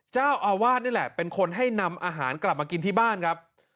เจ้าอาวาสนี่แหละเป็นคนให้นำอาหารกลับมากินที่บ้านครับ